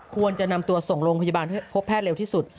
ควรจะนำตัวส่งโรงพยาบาลพบแพทย์เร็วที่สุด